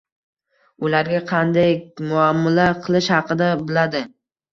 Ularga qandek muomila qilish xaqida biladi.